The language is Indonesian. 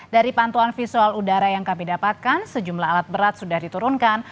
dari pantuan visual udara yang kami dapatkan sejumlah alat berat sudah diturunkan